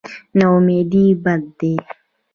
نااميدي بد دی.